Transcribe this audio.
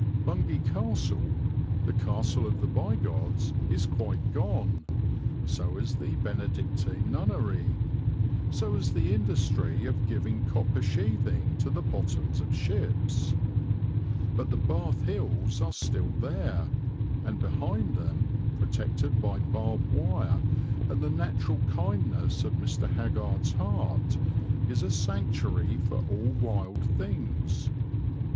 Bungay Castle, the castle of the Bigods, is quite gone; so is the Benedictine nunnery; so is the industry of giving copper sheathing to the bottoms of ships. But the Bath Hills are still there, and behind them, protected by barbed wire and the natural kindness of Mr. Haggard's heart, is a sanctuary for all wild things.